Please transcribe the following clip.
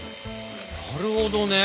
なるほどね！